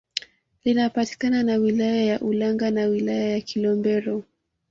Linapakana na wilaya ya Ulanga na wilaya ya Kilombero